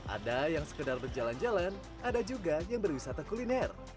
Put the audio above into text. ada yang sekedar berjalan jalan ada juga yang berwisata kuliner